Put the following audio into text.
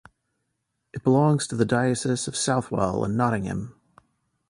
It belongs to the Diocese of Southwell and Nottingham.